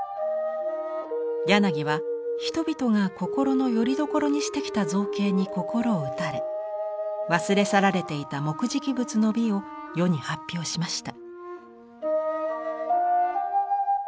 柳は人々が心のよりどころにしてきた造形に心を打たれ忘れ去られていた木喰仏の美を世に発表しました。